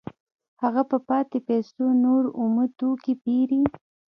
هغه په پاتې پیسو نور اومه توکي پېري